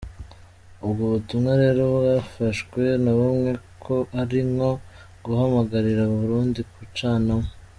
Ubwo butumwa rero bwafashwe na bamwe ko ari nko guhamagarira Abarundi gucanamwo.